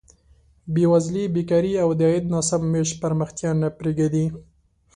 بېوزلي، بېکاري او د عاید ناسم ویش پرمختیا نه پرېږدي.